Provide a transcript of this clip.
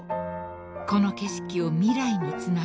［この景色を未来につなぐ］